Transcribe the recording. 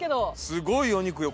すごいお肉よ